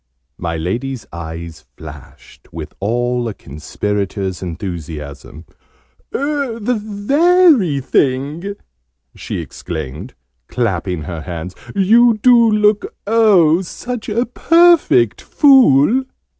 My Lady's eyes flashed with all a Conspirator's enthusiasm. "The very thing!" she exclaimed, clapping her hands. "You do look, oh, such a perfect Fool!"